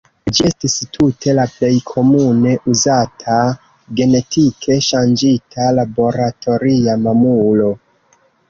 Ĝi estis tute la plej komune uzata genetike ŝanĝita laboratoria mamulo.